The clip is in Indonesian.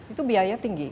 itu biaya tinggi